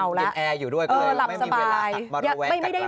ก็อาจจะเย็นแอร์อยู่ด้วยเคยไม่มีเวลาหักมาระวังกับเรา